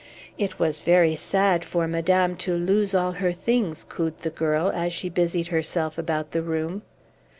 "It was very sad for madame to lose all her things," cooed the girl, as she busied herself about the room.